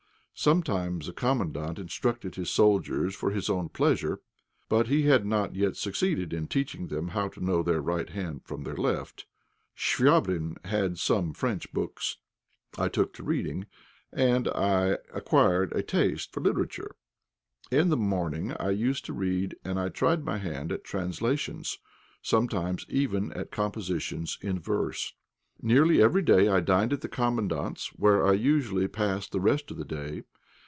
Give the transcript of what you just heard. Sometimes the Commandant instructed his soldiers for his own pleasure. But he had not yet succeeded in teaching them to know their right hand from their left. Chvabrine had some French books; I took to reading, and I acquired a taste for literature. In the morning I used to read, and I tried my hand at translations, sometimes even at compositions in verse. Nearly every day I dined at the Commandant's, where I usually passed the rest of the day.